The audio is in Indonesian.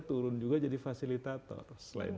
turun juga jadi fasilitator selain